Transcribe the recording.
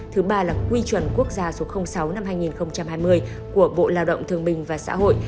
thứ ba là quy chuẩn quốc gia số sáu năm hai nghìn hai mươi của bộ lao động thương bình và xã hội